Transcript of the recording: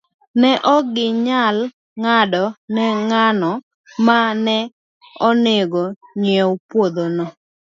Ne ok ginyal ng'ado ni ng'ano ma ne onego ong'iew puodhono.